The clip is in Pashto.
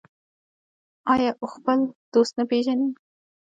آیا او خپل دوست نه پیژني؟